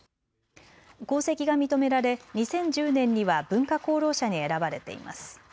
功績が認められ２０１０年には文化功労者に選ばれています。